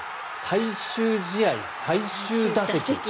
最終試合最終打席。